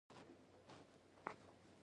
فلم د خیالونو نړۍ ته دروازه ده